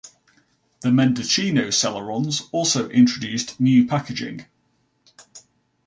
The Mendocino Celerons also introduced new packaging.